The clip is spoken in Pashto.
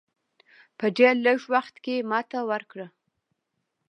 په ډېر لږ وخت کې ماته ورکړه.